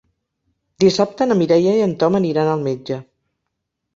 Dissabte na Mireia i en Tom aniran al metge.